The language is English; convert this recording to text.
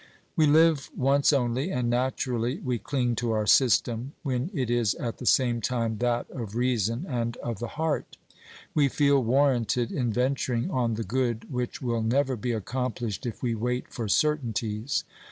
... We live once only, and naturally we cling to our system, when it is at the same time that of reason and of the heart. We feel warranted in venturing on the good which will never be accomplished if we wait for certainties.